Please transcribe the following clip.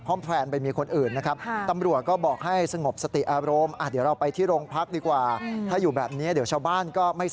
คล่อมแพนไปมีคนอื่น